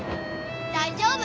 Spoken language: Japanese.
大丈夫。